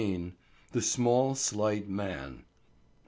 THE SMALL, SLIGHT MAN.